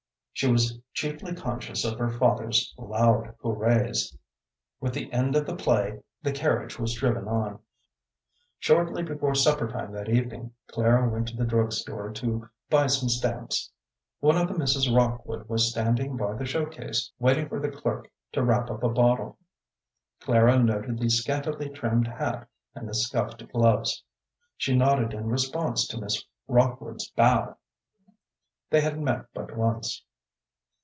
She was chiefly conscious of her father's loud "hoorays." With the end of the play the carriage was driven on. Shortly before supper time that evening Clara went to the drug store to buy some stamps. One of the Misses Rockwood was standing by the show case waiting for the clerk to wrap up a bottle. Clara noted the scantily trimmed hat and the scuffed gloves. She nodded in response to Miss Rockwood's bow. They had met but once.